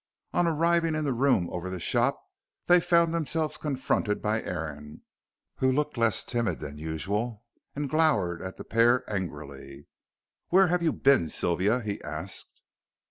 On arriving in the room over the shop they found themselves confronted by Aaron, who looked less timid than usual, and glowered at the pair angrily. "Where have you been, Sylvia?" he asked.